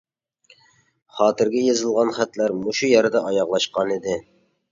خاتىرىگە يېزىلغان خەتلەر مۇشۇ يەردە ئاياغلاشقانىدى.